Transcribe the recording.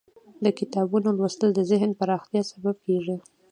د کتابونو لوستل د ذهن پراختیا سبب کیږي.